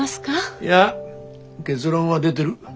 いや結論は出てる。